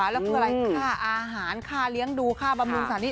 แล้วคืออะไรค่าอาหารค่าเลี้ยงดูค่าบำรุงสานิท